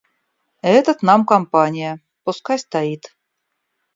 Этот нам компания — пускай стоит.